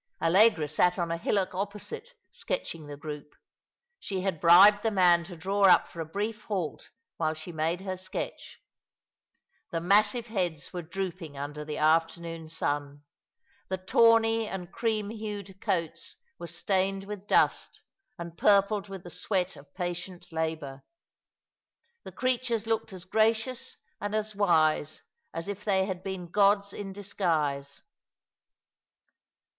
Allegra sat on a hillock opposite, sketching the group. She had bribed the man to draw up for a brief halt while she made her sketch. The massive heads were droop ing under the afternoon sun; the tawny and cream hued coats were stained with dust and purpled with the sweat of patient labour. The creatures looked as gracious and as wise as if they had been gods in disguise.